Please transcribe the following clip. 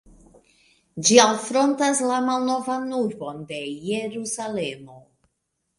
Ĝi alfrontas la Malnovan Urbon de Jerusalemo.